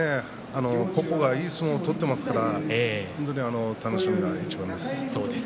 いい相撲を取っていますから本当に楽しみな一番です。